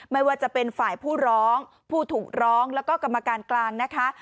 ไม่ว่าจะเป็นฝ่ายผู้ร้องผู้ถูกร้องแล้วก็กรรมการกลางนะคะ